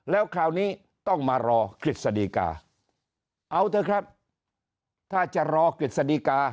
แล้วคราวนี้ต้องมารอกฤษฎีกาเอาเถอะครับถ้าจะรอกฤษฎีกา